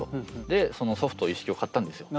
でそのソフト一式を買ったんですよ。